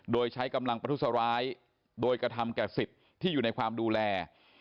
โดยใช้กำลังประทุษร้ายโดยกระทำแก่สิทธิ์ที่อยู่ในความดูแล